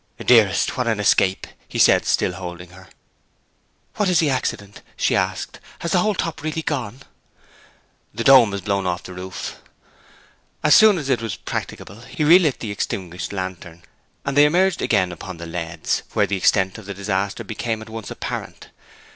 'Dearest, what an escape!' he said, still holding her. 'What is the accident?' she asked. 'Has the whole top really gone?' 'The dome has been blown off the roof.' As soon as it was practicable he relit the extinguished lantern, and they emerged again upon the leads, where the extent of the disaster became at once apparent.